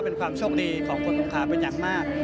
เป็นความโชคดีของคนสงขาเป็นอย่างมาก